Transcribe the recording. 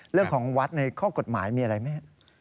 เรื่องของวัดในข้อกฎหมายมีอะไรไหม